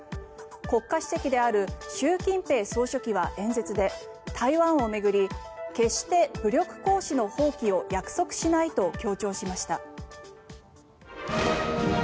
国家主席である習近平総書記は演説で台湾を巡り決して、武力行使の放棄を約束しないと強調しました。